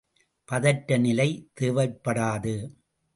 பதற்ற நிலை தேவைப்படாது.